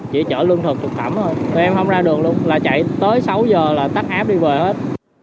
chỉ chở lương thực thực phẩm thôi tụi em không ra đường luôn là chạy tới sáu h là tắt áp đi về hết